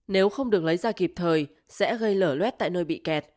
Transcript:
nếu không được lấy ra kịp thời sẽ gây lở luet tại nơi bị kẹt